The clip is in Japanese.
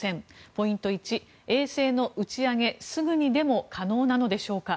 ポイント１、衛星の打ち上げすぐにでも可能なのでしょうか。